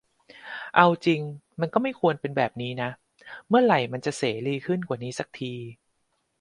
เอาจริงมันก็ไม่ควรเป็นแบบนี้นะ เมื่อไหร่มันจะเสรีขึ้นกว่านี้สักที